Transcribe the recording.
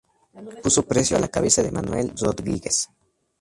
Puso precio a la cabeza de Manuel Rodríguez.